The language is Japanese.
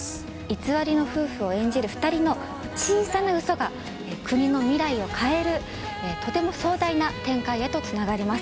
偽りの夫婦を演じる２人の小さな嘘が国の未来を変えるとても壮大な展開へとつながります。